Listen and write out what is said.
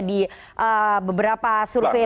di beberapa survei